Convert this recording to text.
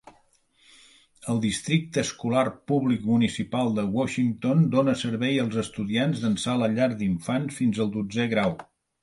El Districte Escolar Públic Municipal de Washington dona servei als estudiants d'ençà la llar d'infants fins al dotzè grau.